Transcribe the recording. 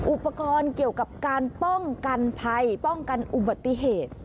อุปกรณ์เกี่ยวกับการป้องกันภัยป้องกันอุบัติเหตุ